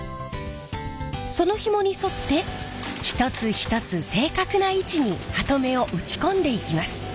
そのヒモに沿って一つ一つ正確な位置にハトメを打ち込んでいきます。